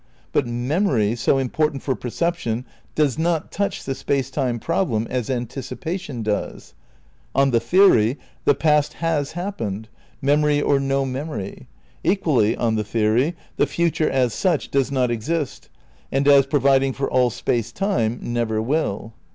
But memory, so important for perception, does not touch the Space Time problem as anticipation does. On the theory, the past has happened, memory or no mem ory ; equally, on the theory, the future, as such, does not exist, and as providing for all Space Time, never will.